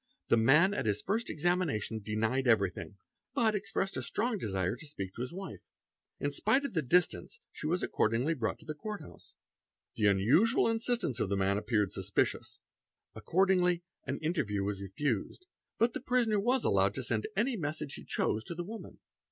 The man at his first examination denied everything but expressed a strong desire to speak to his wife. In spite — of the distance she was accordingly brought to the courthouse. 'The unusual insistence of the man appeared suspicious; accordingly an inter view was refused, but the prisoner was allowed to send any message he chose to the woman.